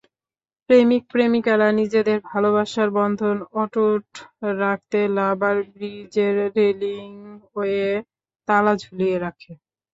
প্রেমিক-প্রেমিকারা নিজেদের ভালোবাসার বন্ধন অটুট রাখতে লাভার ব্রিজের রেলিংয়ে তালা ঝুলিয়ে রাখে।